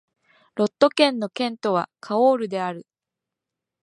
ロット県の県都はカオールである